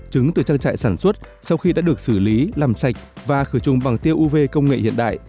trứng từ trang trại sản xuất sau khi đã được xử lý làm sạch và khử trùng bằng tiêu uv công nghệ hiện đại